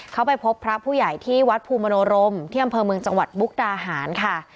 เขาไปพบพระผู้ใหญ่ที่วัดภูมิมโนรมที่อำเภอเมืองจังหวัดมุกดาหารค่ะ